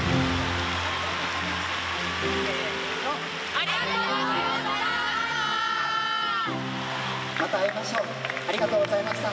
せーの、ありがとうございました！